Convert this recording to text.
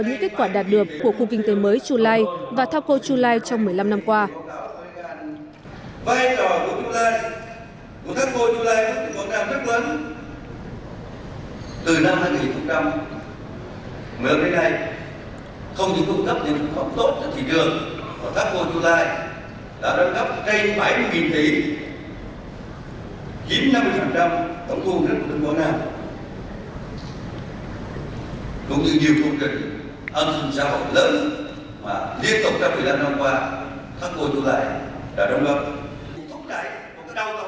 những kết quả đạt được của khu kinh tế mới chu lai và thao cô chu lai trong một mươi năm năm qua